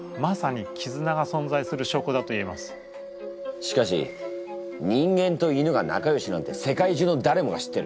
しかし人間と犬が仲よしなんて世界中のだれもが知ってる。